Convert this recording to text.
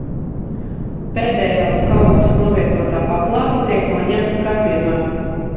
Pēdējā uz kaudzes novietotā paplāte tiek noņemta kā pirmā.